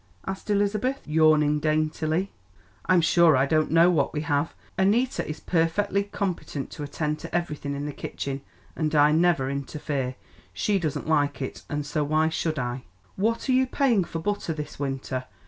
asked Elizabeth, yawning daintily. "I'm sure I don't know what we have. Annita is perfectly competent to attend to everything in the kitchen, and I never interfere. She doesn't like it, and so why should I." "What are you paying for butter this winter?"